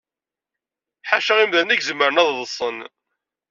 Ḥala imdanen i zemren ad ḍṣen.